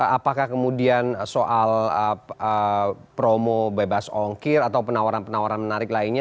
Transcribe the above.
apakah kemudian soal promo bebas ongkir atau penawaran penawaran menarik lainnya